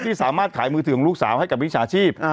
ที่สามารถขายมือถือของลูกสาวให้กับวิชาชีพ